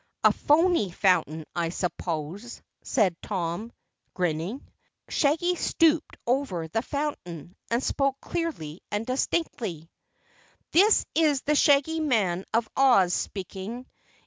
"A phoney fountain, I suppose," said Tom, grinning. Shaggy stooped over the Phontain and spoke clearly and distinctly: "This is the Shaggy Man of Oz speaking.